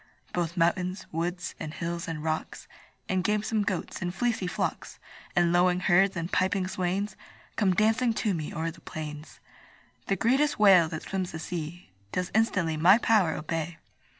Both mountains, woods, and hills, and rocks And gamesome goats, and fleecy flocks, And lowing herds, and piping swains, Come dancing to me o'er the plains. The greatest whale that swims the sea Does instantly my power obey.